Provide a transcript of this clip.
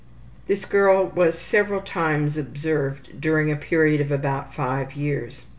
This girl was several times observed during a period of about 5 years.